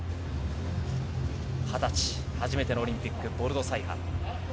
２０歳、初めてのオリンピック、ボルドサイハン。